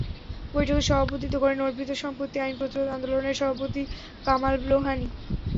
বৈঠকে সভাপতিত্ব করেন অর্পিত সম্পত্তি আইন প্রতিরোধ আন্দোলনের সভাপতি কামাল লোহানী।